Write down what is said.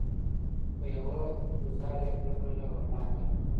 په یوه گوزار یې خوله کړله ورماته